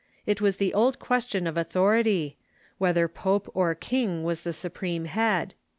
It was the old question of authority — whether pope or king was the supreme head.